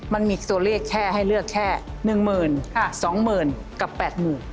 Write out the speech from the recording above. มันมีตัวเลขให้เลือกแค่๑หมื่น๒หมื่นกับ๘หมื่น